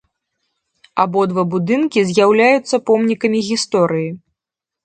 Абодва будынкі з'яўляюцца помнікамі гісторыі.